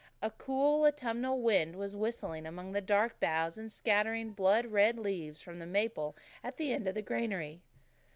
A cool, autumnal wind was whistling among the dark boughs and scattering blood red leaves from the maple at the end of the granary.